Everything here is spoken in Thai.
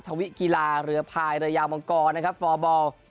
วิกีฬาเรือพายเรือยาวมังกรนะครับฟอร์บอล